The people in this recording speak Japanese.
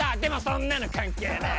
でもそんなの関係ねぇ。